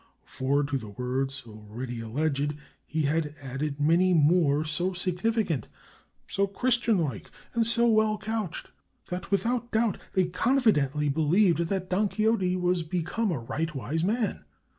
For, to the words already alleged, he added many more so significant, so Christian like, and so well couched, that without doubt they confidently believed that Don Quixote was become a right wise man....